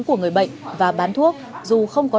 của người bệnh và bán thuốc dù không có